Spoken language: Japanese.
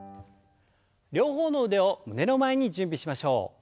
両方の腕を胸の前に準備しましょう。